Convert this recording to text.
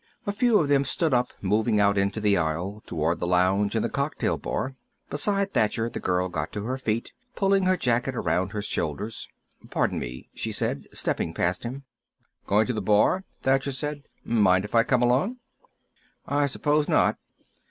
A few of them stood up, moving out into the aisle, toward the lounge and the cocktail bar. Beside Thacher the girl got to her feet, pulling her jacket around her shoulders. "Pardon me," she said, stepping past him. "Going to the bar?" Thacher said. "Mind if I come along?" "I suppose not."